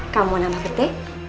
kamu mau nambah petik